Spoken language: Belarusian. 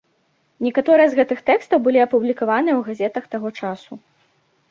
Некаторыя з гэтых тэкстаў былі апублікаваныя ў газетах таго часу.